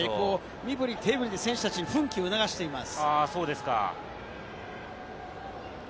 身ぶり手ぶりで選手たちの奮起を促しています。